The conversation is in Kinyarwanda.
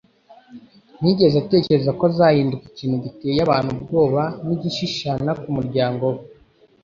Ntiyigeze atekereza ko azahinduka ikintu giteye abantu ubwoba n'igishishana ku muryango we;